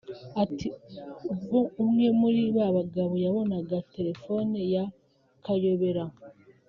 Ati “Ubwo umwe muri ba bagabo yabonaga telefone ya Kayobera